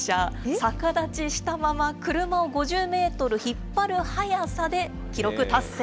逆立ちしたまま、車を５０メートル引っ張る速さで、記録達成。